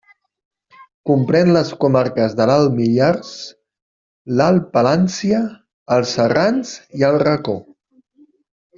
Comprèn les comarques de l'Alt Millars, l'Alt Palància, els Serrans i el Racó.